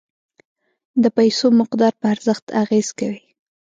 د پیسو مقدار په ارزښت اغیز کوي.